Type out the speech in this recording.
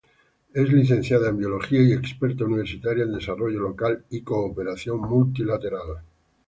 Es licenciada en Biología y experta universitaria en Desarrollo Local y Cooperación Multilateral.